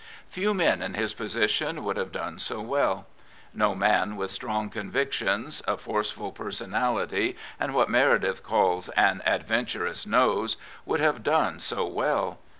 Few men in his position would have done so well. No man with strong convictions, a forceful personality and what Meredith calls " an adventurous nose," would have done so well.